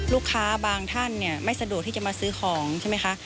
บางท่านไม่สะดวกที่จะมาซื้อของใช่ไหมคะ